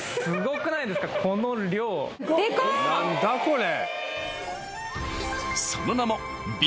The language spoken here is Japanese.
・何だこれ？